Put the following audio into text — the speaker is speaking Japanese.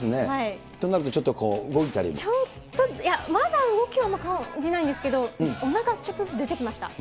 となると、ちょっと動いたりまだ動きは感じないんですけど、おなか、ちょっとずつ出てきました。